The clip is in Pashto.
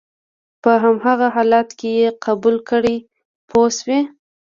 په هماغه حالت کې یې قبول کړئ پوه شوې!.